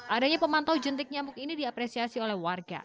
adanya pemantau jentik nyamuk ini diapresiasi oleh warga